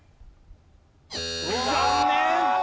残念！